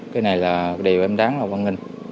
cái này là điều em đáng quan hệ